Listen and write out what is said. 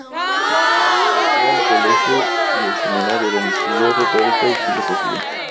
Fue al colegio y al seminario, donde estudió retórica y filosofía.